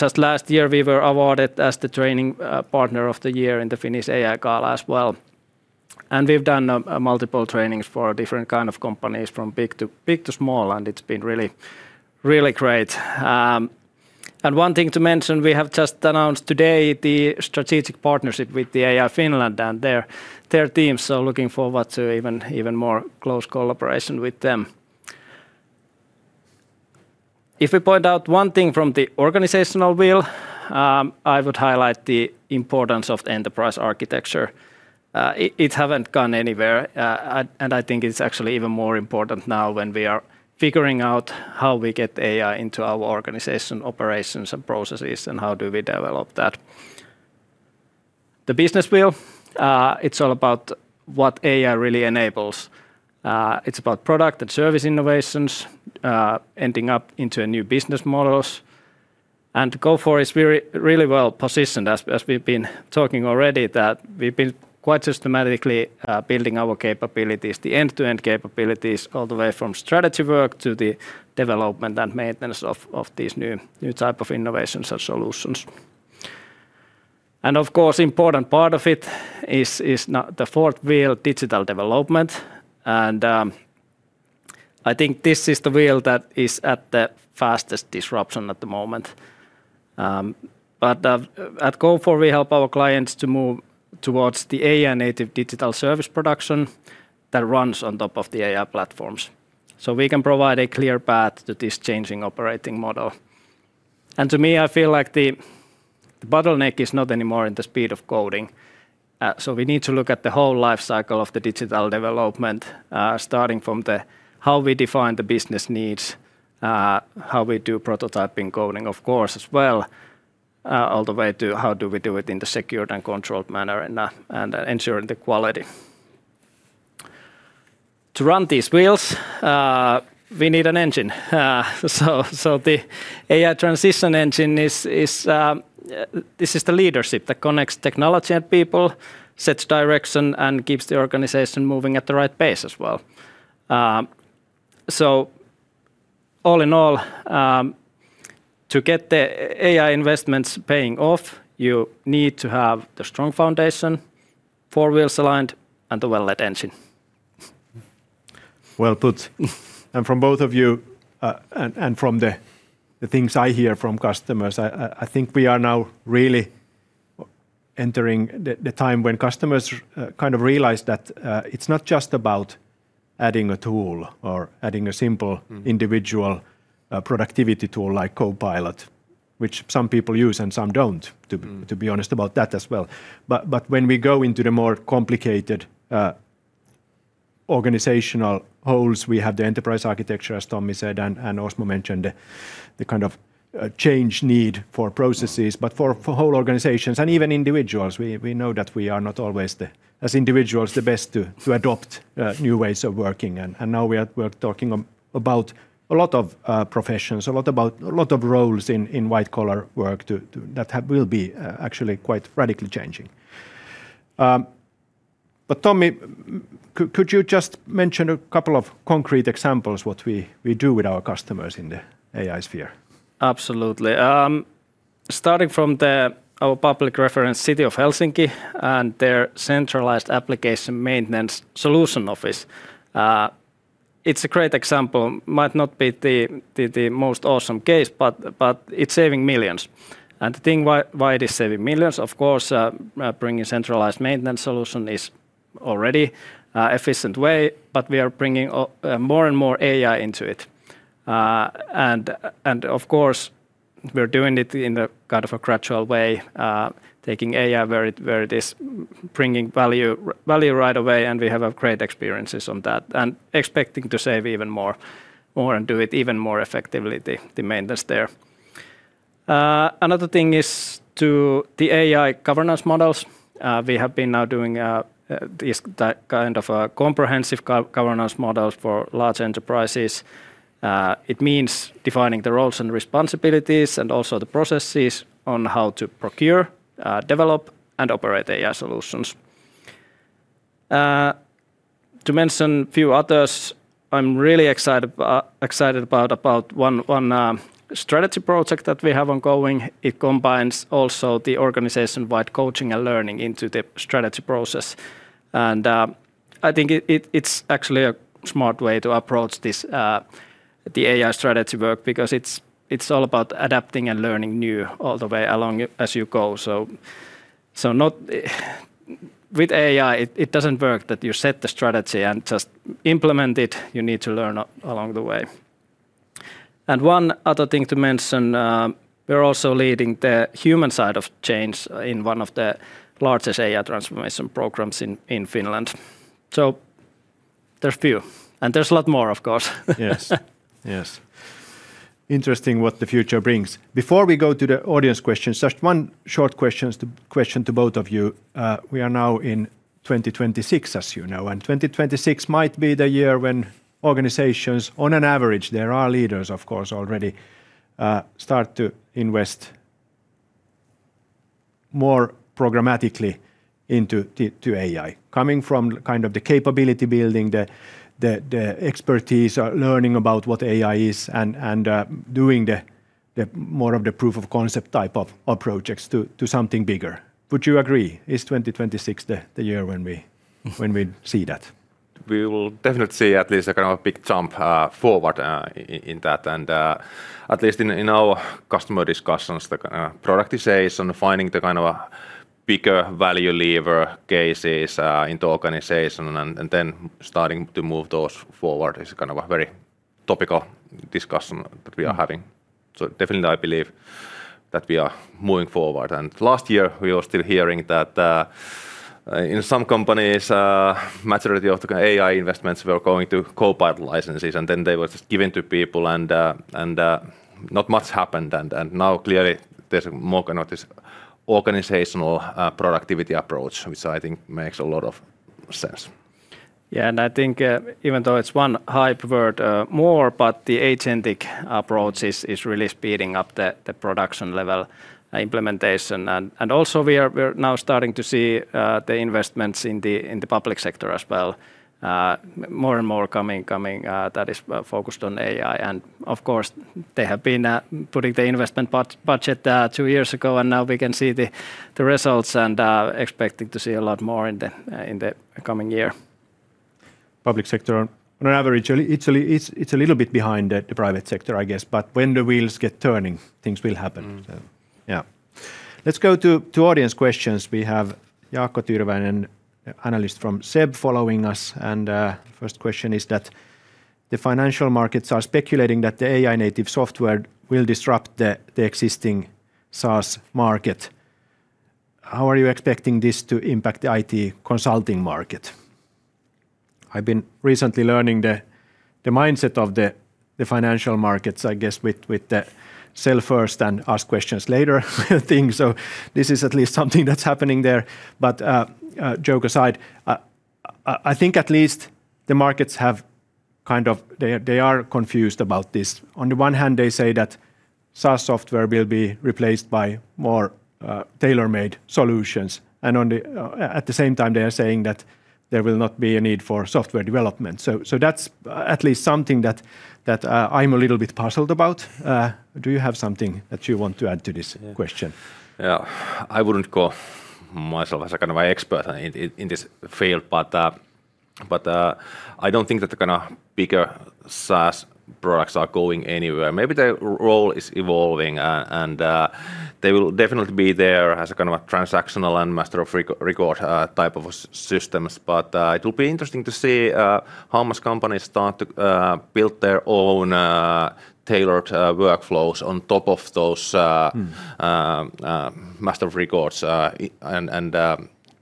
Just last year, we were awarded as the Training Partner of the Year in the Finnish AI Gala as well. We've done multiple trainings for different kind of companies, from big to small, and it's been really, really great. One thing to mention, we have just announced today the strategic partnership with the AI Finland and their team, so looking forward to even more close collaboration with them. If we point out one thing from the organizational wheel, I would highlight the importance of the enterprise architecture. It haven't gone anywhere, and I think it's actually even more important now, when we are figuring out how we get AI into our organization, operations, and processes, and how do we develop that. The business wheel, it's all about what AI really enables. It's about product and service innovations, ending up into a new business models. Gofore is very, really well positioned, as we've been talking already, that we've been quite systematically building our capabilities, the end-to-end capabilities, all the way from strategy work to the development and maintenance of these new type of innovations and solutions. Of course, important part of it is now the fourth wheel, digital development. I think this is the wheel that is at the fastest disruption at the moment. At Gofore, we help our clients to move towards the AI native digital service production that runs on top of the AI platforms. We can provide a clear path to this changing operating model. To me, I feel like the bottleneck is not anymore in the speed of coding. We need to look at the whole life cycle of the digital development, starting from the how we define the business needs, how we do prototyping, coding, of course, as well, all the way to how do we do it in a secured and controlled manner and ensuring the quality. To run these wheels, we need an engine. The AI transition engine is, this is the leadership that connects technology and people, sets direction, and keeps the organization moving at the right pace as well. All in all, to get the AI investments paying off, you need to have the strong foundation, four wheels aligned, and a well-lit engine. Well put. From both of you, and from the things I hear from customers, I think we are now really entering the time when customers kind of realize that, it's not just about adding a tool or adding a simple individual, productivity tool like Copilot, which some people use and some don't to be honest about that as well. When we go into the more complicated organizational holes, we have the enterprise architecture, as Tommi said, and Osmo mentioned the kind of change need for processes. For whole organizations and even individuals, we know that we are not always the, as individuals, the best to adopt new ways of working. Now we're talking about a lot of professions, a lot of roles in white-collar work that will be actually quite radically changing. Tommi, could you just mention a couple of concrete examples what we do with our customers in the AI sphere? Absolutely. Starting from our public reference, City of Helsinki, and their centralized application maintenance solution office. It's a great example. Might not be the most awesome case, but it's saving millions. The thing why it is saving millions, of course, bringing centralized maintenance solution is already an efficient way, but we are bringing more and more AI into it. Of course, we're doing it in a kind of a gradual way, taking AI where it is bringing value right away, and we have great experiences on that, and expecting to save even more and do it even more effectively, the maintenance there. Another thing is to the AI governance models. We have been now doing these, that kind of, comprehensive governance models for large enterprises. It means defining the roles and responsibilities, and also the processes on how to procure, develop, and operate AI solutions. To mention a few others, I'm really excited about one strategy project that we have ongoing. It combines also the organization-wide coaching and learning into the strategy process. I think it's actually a smart way to approach this the AI strategy work because it's all about adapting and learning new all the way along as you go. With AI, it doesn't work that you set the strategy and just implement it. You need to learn along the way. One other thing to mention, we're also leading the human side of change in one of the largest AI transformation programs in Finland. There's few, and there's a lot more, of course. Yes. Yes. Interesting what the future brings. Before we go to the audience questions, just one short question to both of you. We are now in 2026, as you know, and 2026 might be the year when organizations, on an average, there are leaders, of course, already, start to invest more programmatically into AI. Coming from kind of the capability building, the expertise, learning about what AI is, and doing the more of the proof-of-concept type of projects to something bigger. Would you agree? Is 2026 the year when when we see that? We will definitely see at least a kind of a big jump forward in that, and at least in our customer discussions, productivity is on finding the kind of a bigger value lever cases in the organization, and then starting to move those forward is kind of a very topical discussion that we are having. Definitely, I believe that we are moving forward. Last year, we were still hearing that in some companies, majority of the AI investments were going to Copilot licenses, and then they were just given to people, and not much happened. Now, clearly, there's more kind of this organizational productivity approach, which I think makes a lot of sense. Yeah, I think, even though it's one hype word, more, but the agentic approach is really speeding up the production-level implementation. Also, we're now starting to see the investments in the public sector as well, more and more coming, that is focused on AI. Of course, they have been putting the investment budget, two years ago, and now we can see the results and expecting to see a lot more in the coming year. Public sector on average, it's a little bit behind the private sector, I guess. When the wheels get turning, things will happen. Yeah. Let's go to audience questions. We have Jaakko Tyrväinen, an analyst from SEB, following us. First question is that the financial markets are speculating that the AI native software will disrupt the existing SaaS market. How are you expecting this to impact the IT consulting market? I've been recently learning the mindset of the financial markets, I guess, with the sell first and ask questions later thing. This is at least something that's happening there. Joke aside, I think at least the markets have kind of, they are confused about this. On the one hand, they say that SaaS software will be replaced by more tailor-made solutions. At the same time, they are saying that there will not be a need for software development. That's, at least something that I'm a little bit puzzled about. Do you have something that you want to add to this question? Yeah. I wouldn't call myself as a kind of an expert in this field, but I don't think that the kind of bigger SaaS products are going anywhere. Maybe their role is evolving, and they will definitely be there as a kind of a transactional and master of record type of systems. It will be interesting to see how much companies start to build their own tailored workflows on top of those master records, and,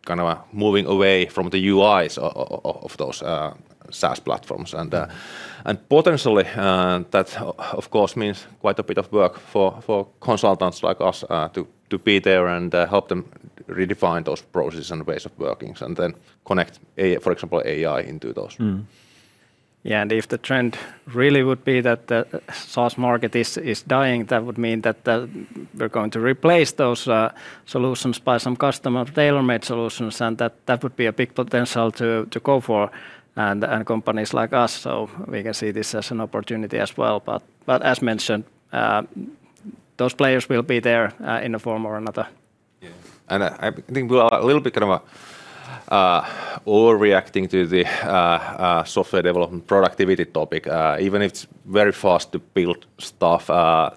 kind of, moving away from the UIs of those, SaaS platforms. Potentially, that, of course, means quite a bit of work for consultants like us, to be there and, help them redefine those processes and ways of workings and then connect AI, for example, AI into those. If the trend really would be that the SaaS market is dying, that would mean that we're going to replace those solutions by some customer tailor-made solutions, that would be a big potential to go for, and companies like us, we can see this as an opportunity as well. As mentioned, those players will be there in a form or another. Yeah. I think we are a little bit kind of overreacting to the software development productivity topic. Even if it's very fast to build stuff,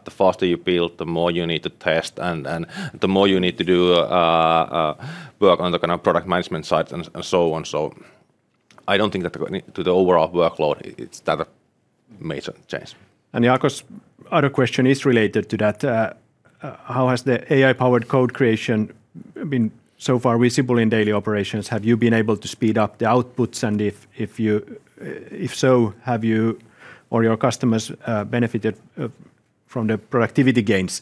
the faster you build, the more you need to test, and the more you need to do work on the kind of product management side, and so on. I don't think that to the overall workload, it's that a major change. Jaakko's other question is related to that. How has the AI-powered code creation been so far visible in daily operations? Have you been able to speed up the outputs, and if you, if so, have you or your customers benefited from the productivity gains?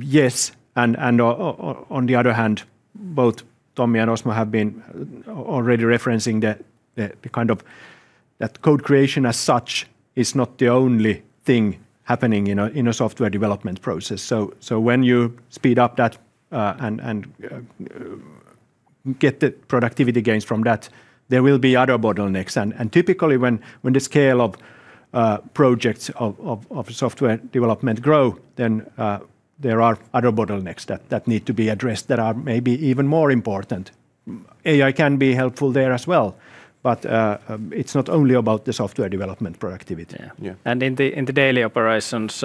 Yes, on the other hand, both Tommi and Osmo have been already referencing the kind of, that code creation as such is not the only thing happening in a software development process. So when you speed up that, and get the productivity gains from that, there will be other bottlenecks. Typically, when the scale of projects of software development grow, there are other bottlenecks that need to be addressed that are maybe even more important. AI can be helpful there as well, but, it's not only about the software development productivity. Yeah. Yeah. In the daily operations,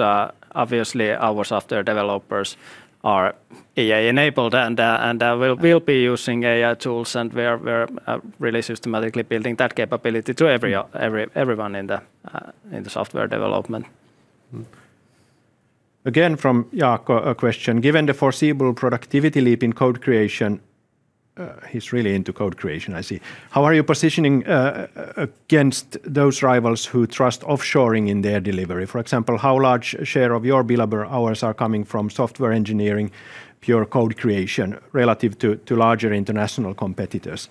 obviously, our software developers are AI-enabled, and we'll be using AI tools, and we're really systematically building that capability to everyone in the software development. Again, from Jaakko, a question: Given the foreseeable productivity leap in code creation. He's really into code creation, I see. How are you positioning against those rivals who trust offshoring in their delivery? For example, how large a share of your billable hours are coming from software engineering, pure code creation, relative to larger international competitors?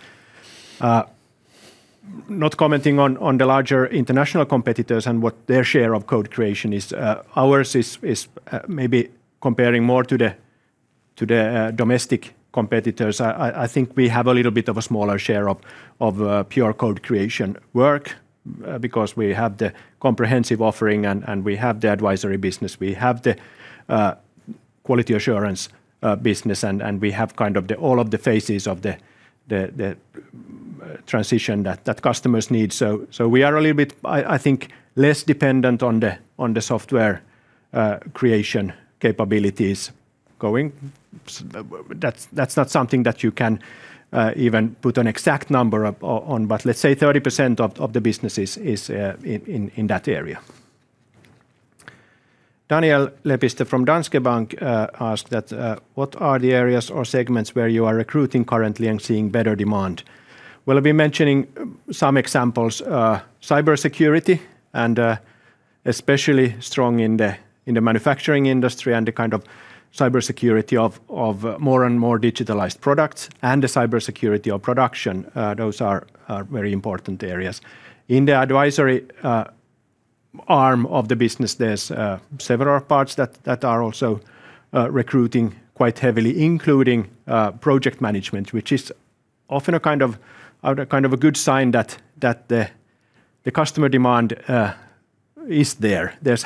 Not commenting on the larger international competitors and what their share of code creation is, ours is maybe comparing more to the domestic competitors. I think we have a little bit of a smaller share of pure code creation work because we have the comprehensive offering, and we have the advisory business. We have the quality assurance business, and we have kind of the all of the phases of the transition that customers need. We are a little bit, I think, less dependent on the software creation capabilities going. That's not something that you can even put an exact number on, but let's say 30% of the business is in that area. Daniel Lepistö from Danske Bank asked that, "What are the areas or segments where you are recruiting currently and seeing better demand?" Well, I've been mentioning some examples. Cybersecurity, and especially strong in the manufacturing industry and the kind of cybersecurity of more and more digitalized products and the cybersecurity of production. Those are very important areas. In the advisory arm of the business, there's several parts that are also recruiting quite heavily, including project management, which is often a kind of a good sign that the customer demand is there. There's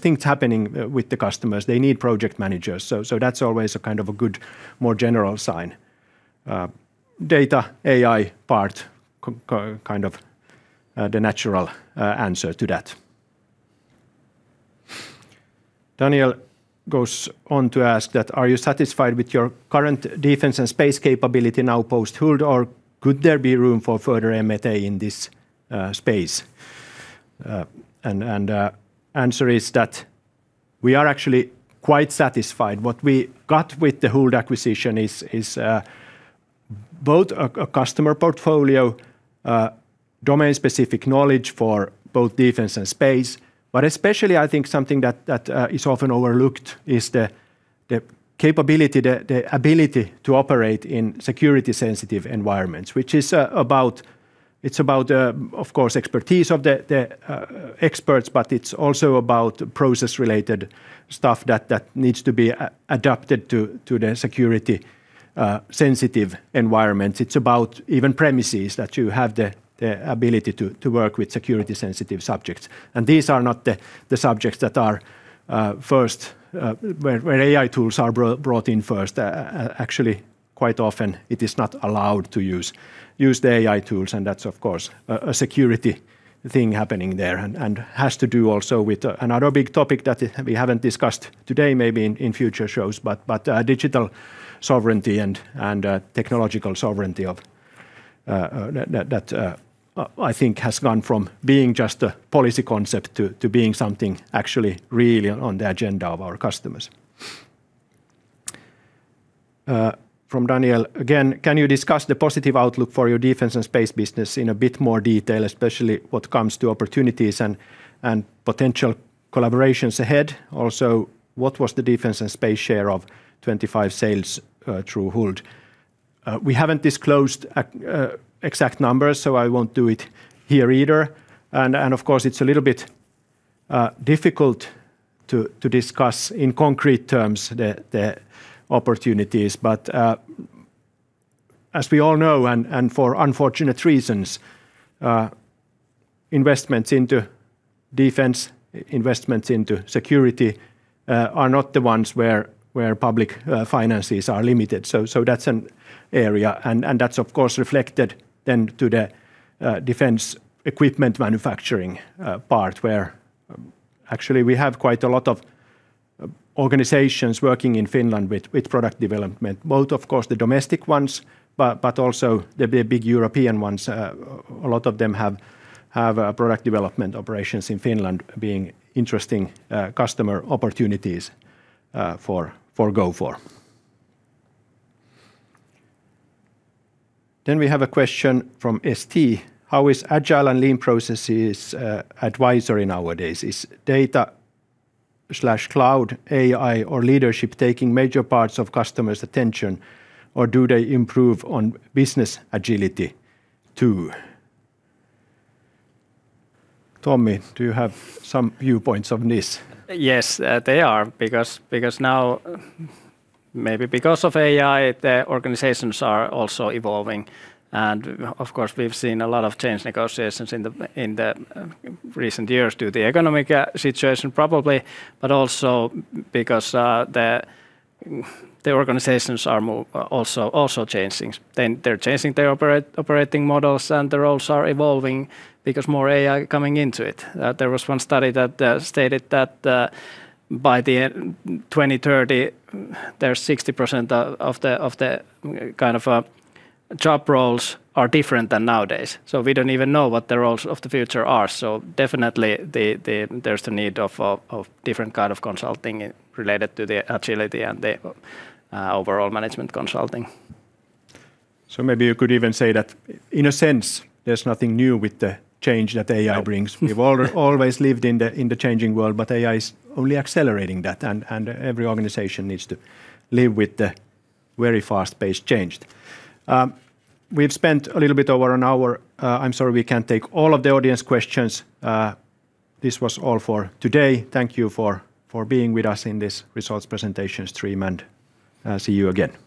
things happening with the customers. They need project managers, so that's always a kind of a good, more general sign. Data, AI part kind of the natural answer to that. Daniel goes on to ask that: "Are you satisfied with your current Defence & Space capability now post-Huld, or could there be room for further M&A in this space?" Answer is that we are actually quite satisfied. What we got with the Huld acquisition is both a customer portfolio, domain-specific knowledge for both defence and space, but especially I think something that is often overlooked is the capability, the ability to operate in security-sensitive environments, which is about. It's about, of course, expertise of the experts, but it's also about process-related stuff that needs to be adapted to the security-sensitive environment. It's about even premises, that you have the ability to work with security-sensitive subjects. These are not the subjects that are first where AI tools are brought in first. Actually, quite often it is not allowed to use the AI tools, and that's of course a security thing happening there, and has to do also with another big topic that we haven't discussed today, maybe in future shows, but digital sovereignty and technological sovereignty of that, I think has gone from being just a policy concept to being something actually really on the agenda of our customers. From Daniel again: "Can you discuss the positive outlook for your Defence & Space business in a bit more detail, especially what comes to opportunities and potential collaborations ahead? What was the Defence & Space share of 2025 sales through Huld?" We haven't disclosed exact numbers, so I won't do it here either. Of course, it's a little bit difficult to discuss in concrete terms the opportunities, but as we all know, and for unfortunate reasons, investments into defense, investments into security, are not the ones where public finances are limited. That's an area, and that's of course reflected then to the defence equipment manufacturing part, where actually we have quite a lot of organizations working in Finland with product development. Both, of course, the domestic ones, but also the big European ones. A lot of them have product development operations in Finland, being interesting customer opportunities for Gofore. We have a question from ST: "How is agile and lean processes advisory nowadays? Is data slash cloud AI or leadership taking major parts of customers' attention, or do they improve on business agility too? Tommi, do you have some viewpoints on this? Yes, they are, because now, maybe because of AI, the organizations are also evolving. Of course, we've seen a lot of change negotiations in the recent years due to the economic situation, probably, but also because the organizations are more changing. They're changing their operating models, and the roles are evolving because more AI coming into it. There was one study that stated that by the end 2030, there's 60% of the kind of job roles are different than nowadays. We don't even know what the roles of the future are. Definitely, there's the need of different kind of consulting related to the agility and the overall management consulting. Maybe you could even say that, in a sense, there's nothing new with the change that AI brings. We've always lived in the changing world, AI is only accelerating that, and every organization needs to live with the very fast-paced change. We've spent a little bit over an hour. I'm sorry we can't take all of the audience questions. This was all for today. Thank you for being with us in this results presentation stream, and see you again.